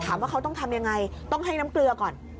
ถามว่าเขาต้องทำยังไงต้องให้น้ำเกลือก่อน